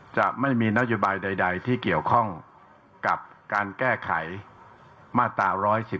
จะไม่มีนโยบายใดที่เกี่ยวข้องกับการแก้ไขมาตรา๑๑๒